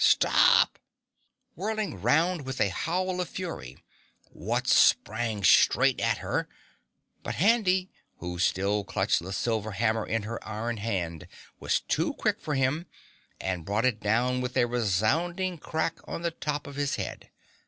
"STOP!" Whirling round with a howl of fury, Wutz sprang straight at her, but Handy, who still clutched the silver hammer in her iron hand, was too quick for him and brought it down with a resounding crack on the top of his head.